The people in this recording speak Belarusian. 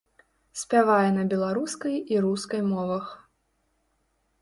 Спявае на беларускай і рускай мовах.